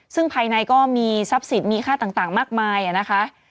ซึ่งภายในก็มีทรัพย์สินมีค่าต่างมากมายนะคะ